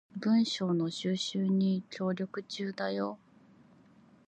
文章の収集に協力中だよ